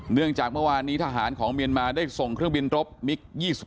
เนื่องจากเมื่อวานนี้ทหารของเมียนมาได้ส่งเครื่องบินรบมิก๒๑